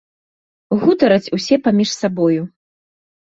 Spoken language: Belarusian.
Гутараць усе паміж сабою.